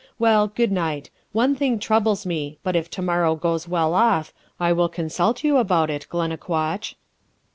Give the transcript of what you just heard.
Well, good night. One thing troubles me, but if to morrow goes well off, I will consult you about it, Glennaquoich.'